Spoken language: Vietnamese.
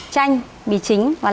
chanh mì chính và lạc